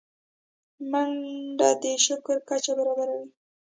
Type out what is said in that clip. منډه د شکر کچه برابروي